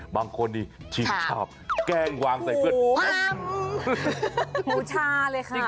บางคนดิที่ชอบแก๊งวางใส่เพื่อนปั๊มปั๊มหมูชาเลยค่ะ